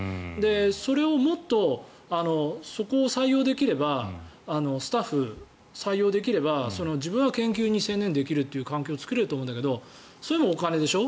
それをもっとそこを採用できればスタッフを採用できれば自分は研究に専念できるという環境が作れると思うんだけどそれもお金でしょ